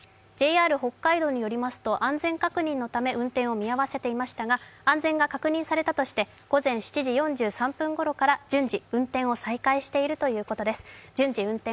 ＪＲ北海道によりますと安全確認のため運転を見合わせていましたが安全が確認されたとして午前７時４３分頃から順次運転を再開しているということです。